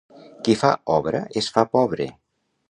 Qui fa obra es fa pobre.